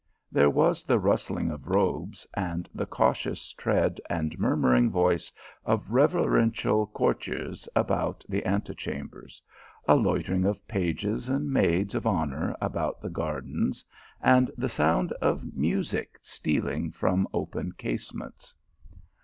There was the rustling of robes, and the cau tious trend and murmuring voice of reverential courtiers about the antechambers; a loitering of pages and maids of honour about the gardens, and the sound of music stealing from open casements.